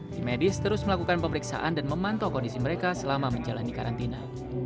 tim medis terus melakukan pemeriksaan dan memantau kondisi mereka selama menjalani karantina